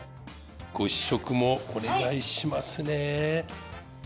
ご試食もお願いしますね。